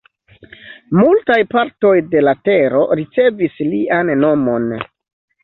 Multaj partoj de la tero ricevis lian nomon.